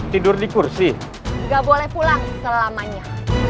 tidur di kursi nggak boleh pulang selamanya